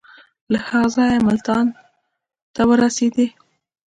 له هغه ځایه ملتان ته ورسېدی.